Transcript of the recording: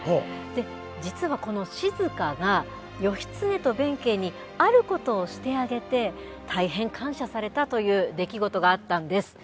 で実はこのしづかが義経と弁慶にあることをしてあげて大変感謝されたという出来事があったんです。